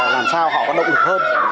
làm sao họ có động lực hơn